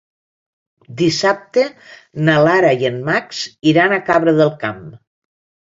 Dissabte na Lara i en Max iran a Cabra del Camp.